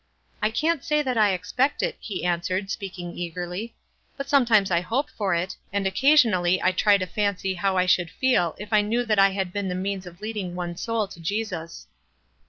"I can't say that I expect it," he answered, speaking eagerly. "But sometimes I hope for it, and occasionally I try to fancy how I should feel if I knew that I had been the means of lead ing one soul to Jesus."